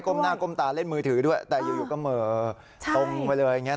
ความรู้ตัว